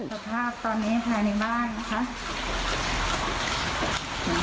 สภาพตอนนี้ภายในบ้านนะคะ